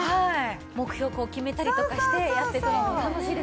目標を決めたりとかしてやっていくのも楽しいですよね。